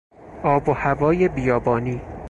آب و هوای بیابانی